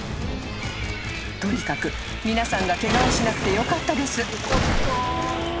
［とにかく皆さんがケガをしなくてよかったです］